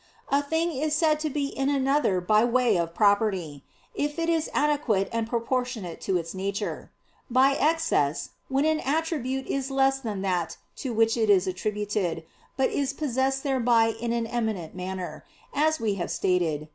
A thing is said to be in another by way of property, if it is adequate and proportionate to its nature: by excess when an attribute is less than that to which it is attributed, but is possessed thereby in an eminent manner, as we have stated (Q.